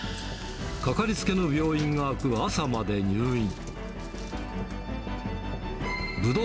かかりつけの病院が開く朝まで入院。